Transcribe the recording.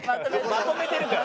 まとめてるから。